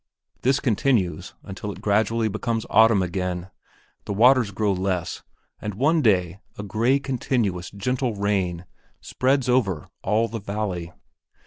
This continues until it gradually becomes autumn again, the waters grow less, and one day a gray continuous gentle rain spreads over all the valley.